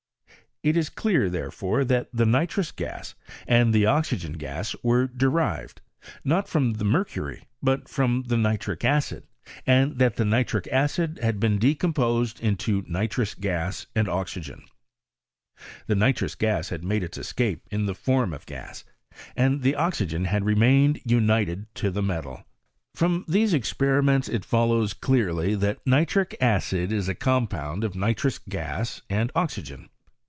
It is clear, therefore, that the nitrous gaa and the oxygen gas were derived, not from tlie mercury but from the nitric acid, and that the nitric acid had been decom posed into nitrous gas and oxygen : the nitrous gas had made its escape in the form of gas, and tha oxygen had remained united to the metal. From these experiments it follows clearly, that nitric acid is a compound of nitrous gas and oxygen.